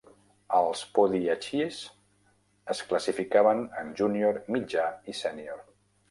Els "Podyachyes" es classificaven en junior, mitjà i sènior.